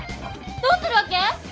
どうするわけ？